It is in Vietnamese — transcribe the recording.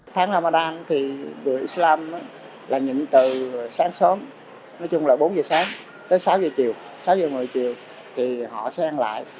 tháng ramadan thì người islam là nhịn từ sáng sớm nói chung là bốn giờ sáng tới sáu giờ chiều sáu giờ một mươi chiều thì họ sẽ ăn lại